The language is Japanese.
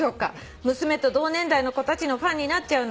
「娘と同年代の子たちのファンになっちゃうなんて」